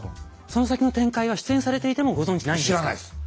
その先の展開は出演されていてもご存じないんですか？